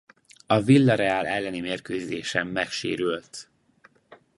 A Villarreal elleni mérkőzésen megsérült.